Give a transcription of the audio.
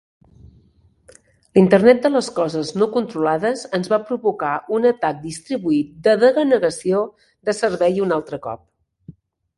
L'Internet de les coses no controlades ens va provocar un atac distribuït de denegació de servei un altre cop.